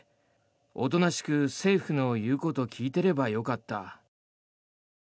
おとなしく政府の言うこと聞いてればよかった。